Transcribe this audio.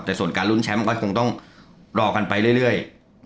แต่ส่วนการลุ้นแชมป์ก็คงต้องรอกันไปเรื่อย